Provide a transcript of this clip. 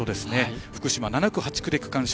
福島は７区、８区で区間賞。